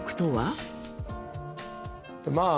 まあ